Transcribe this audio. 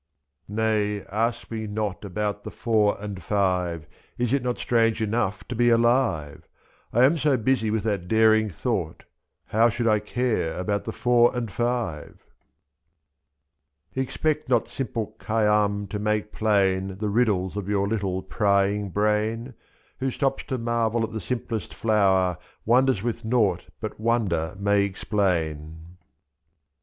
84 Nay, ask me not about the FouR and FiVE, Is it not strange enough to be aUve ? 7.i>'j.I am so busy with that daring thought — How should I care about the FouR and FiVE ? Expect not simple Khayyam to make plain The riddles of your little prying brain, losWho stops to marvel at the simplest flower Wonders with nought but wonder may explain.